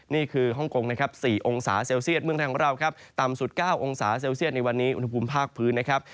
ฮ่องกงนะครับ๔องศาเซลเซียตเมืองไทยของเราครับต่ำสุด๙องศาเซลเซียตในวันนี้อุณหภูมิภาคพื้นนะครับ